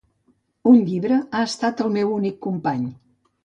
Un llibre ha estat el meu únic company.